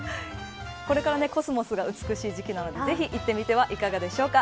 これからコスモスが美しい時期なのでぜひ行ってみてはいかがでしょうか。